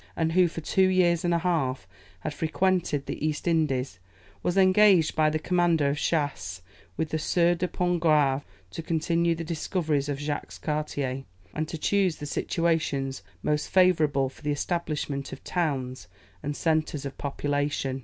and who, for two years and a half, had frequented the East Indies, was engaged by the Commander of Chastes with the Sieur de Pontgravé, to continue the discoveries of Jacques Cartier, and to choose the situations most favourable for the establishment of towns and centres of population.